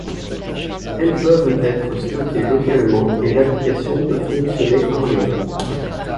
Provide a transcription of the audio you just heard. Elles peuvent être stockées localement et l'application peut fonctionner hors-ligne.